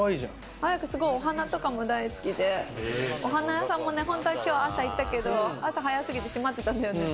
アレク、お花とかも大好きで、お花屋さんも朝行ったけど、朝早すぎて閉まってたんだよね。